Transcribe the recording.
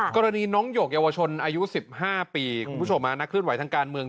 กรณีน้องหยกเยาวชนอายุ๑๕ปีคุณผู้ชมนักเคลื่อนไหวทางการเมือง